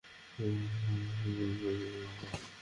মাঝারি আঁচে সাবধানে নাড়তে হবে।